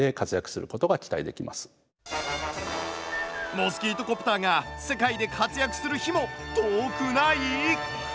モスキートコプターが世界で活躍する日も遠くない？